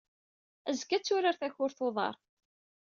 Azekka, ad turar takurt n uḍar.